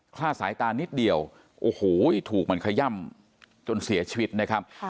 ล่าสายตานิดเดียวโอ้โหถูกมันขย่ำจนเสียชีวิตนะครับ